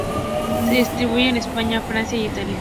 Se distribuye en España, Francia e Italia.